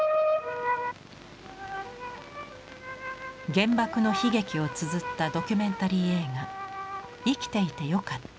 原爆の悲劇をつづったドキュメンタリー映画「生きていてよかった」。